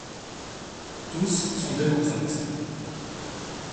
Tous sont démocrates.